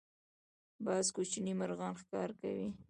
باز کوچني مرغان ښکار کوي